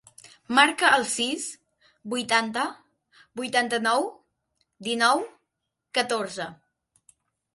Marca el sis, vuitanta, vuitanta-nou, dinou, catorze.